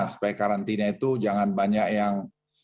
supaya karantina itu jangan banyak yang